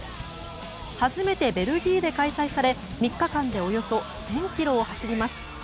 初めてベルギーで開催され３日間でおよそ１０００ｋｍを走ります。